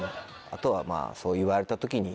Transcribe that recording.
あとはそう言われた時に。